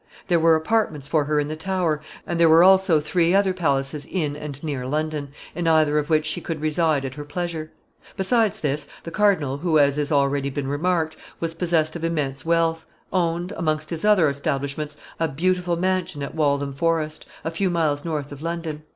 There were apartments for her in the Tower, and there were also three other palaces in and near London, in either of which she could reside at her pleasure. Besides this, the cardinal, who, as has already been remarked, was possessed of immense wealth, owned, among his other establishments, a beautiful mansion at Waltham Forest, a few miles north of London.